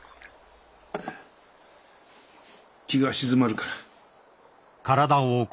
気が静まるから。